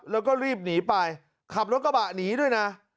แล้วก็รีบหนีไปขับรถกระบะหนีด้วยนะ